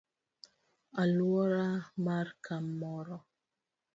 Aluora mar kamoro;